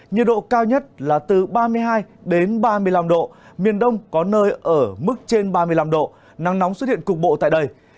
nhiệt độ cao nhất là từ ba mươi hai ba mươi năm độ miền đông có nơi ở mức trên ba mươi năm độ nắng nóng xuất hiện cục bộ tại đây